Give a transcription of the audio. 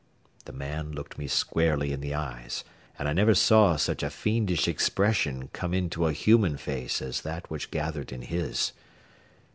The man looked me squarely in the eyes, and I never saw such a fiendish expression come into a human face as that which gathered in his.